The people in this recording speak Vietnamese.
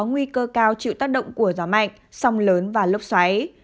nguy cơ cao chịu tác động của gió mạnh sông lớn và lốc xoáy